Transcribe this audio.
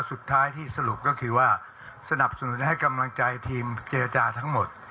สุดท้ายที่สรุปก็คือว่าสนับสนุนให้กำลังใจทีมเจรจาทั้งหมด